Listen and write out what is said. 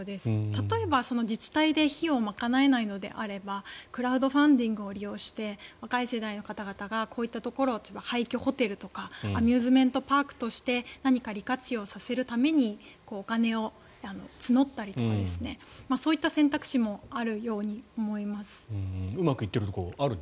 例えば自治体で費用を賄えないのであればクラウドファンディングを利用して、若い世代の方々がこういったところを廃虚ホテルとかアミューズメントパークとして何か利活用させるためにお金を募ったりとかそういった選択肢もあるように思います。